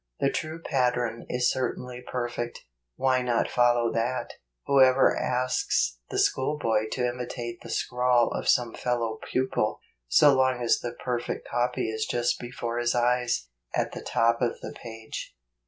The true pattern is certainly perfect; why not follow that ? Who ever asks the schoolboy to imitate the scrawl of some fellow pupil, so long as the perfect copy is just before his eyes, at the top of the page